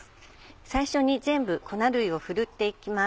最初に全部粉類をふるっていきます。